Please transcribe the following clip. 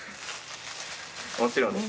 もちろんです。